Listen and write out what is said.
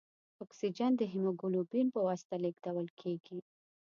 اکسیجن د هیموګلوبین په واسطه لېږدوال کېږي.